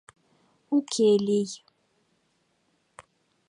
Уке лий